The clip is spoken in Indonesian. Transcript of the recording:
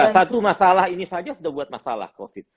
satu masalah ini saja sudah buat masalah covid